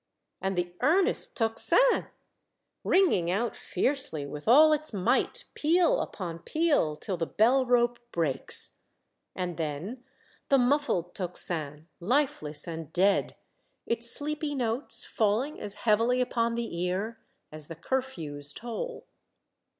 And the earnest tocsin ! ringing put fiercely with all its might, peal upon peal, till the bell rope breaks ! And then the muffled tocsin, Hfeless and dead, its sleepy notes falling as heavily upon the ear as the curfew's toll.